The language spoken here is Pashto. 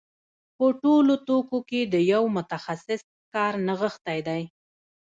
په ټولو توکو کې د یو متخصص کار نغښتی دی